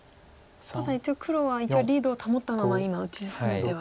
ただ一応黒はリードを保ったまま今打ち進めてはいますか。